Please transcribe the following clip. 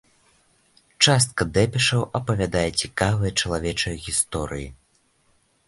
Частка дэпешаў апавядае цікавыя чалавечыя гісторыі.